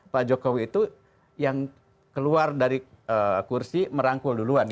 pak jokowi itu yang keluar dari kursi merangkul duluan